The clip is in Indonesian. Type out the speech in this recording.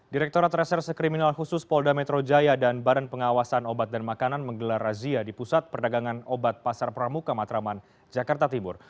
direkturat reserse kriminal khusus polda metro jaya dan badan pengawasan obat dan makanan menggelar razia di pusat perdagangan obat pasar pramuka matraman jakarta timur